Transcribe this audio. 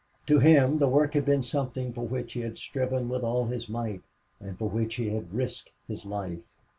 To him the work had been something for which he had striven with all his might and for which he had risked his life.